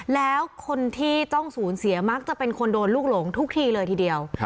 แล้วคนที่ต้องสูญเสียมักจะเป็นคนโดนลูกหลงทุกทีเลยทีเดียว